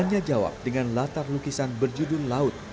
hanya jawab dengan latar lukisan berjudul laut